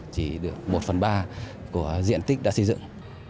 chỉ được một phần ba của diện tích đã xây dựng